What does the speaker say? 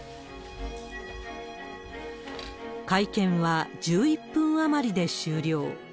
会見は１１分余りで終了。